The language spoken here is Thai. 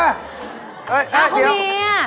อัพเดี๋ยว